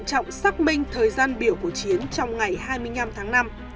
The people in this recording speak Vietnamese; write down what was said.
quan trọng xác minh thời gian biểu của chiến trong ngày hai mươi năm tháng năm